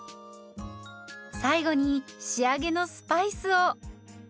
最後に仕上げのスパイスを。